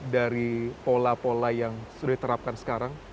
dari pola pola yang sudah diterapkan sekarang